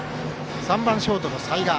３番ショート、齊賀。